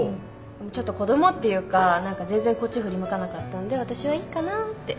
ちょっと子供っていうか何か全然こっち振り向かなかったんで私はいいかなって。